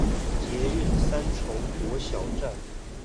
捷運三重國小站